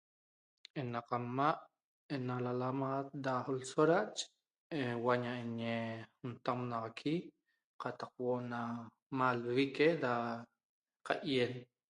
Ena camaa' enalama da lsora uaña eñe n'taunaqui cataq huoo na mal'vique da ca'yen